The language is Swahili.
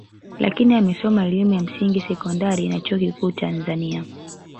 Lakini amesoma elimu ya msingi sekondari na chuo kikuu Tanzania